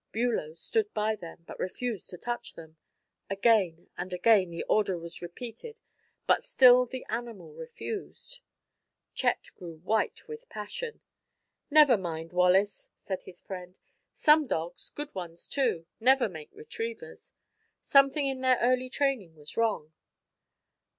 Bulow stood by them, but refused to touch them. Again and again the order was repeated, but still the animal refused. Chet grew white with passion. "Never mind, Wallace," said his friend. "Some dogs good ones, too never make retrievers. Something in their early training was wrong."